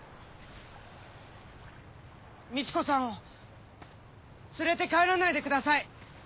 みち子さんを連れて帰らないでください。